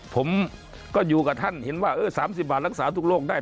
ผมก็อยู่กับท่านเห็นว่า๓๐บาทรักษาทุกโรคได้